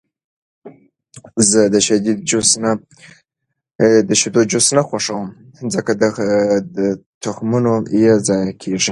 زه د شیدو جوس نه خوښوم، ځکه تخمونه یې ضایع کېږي.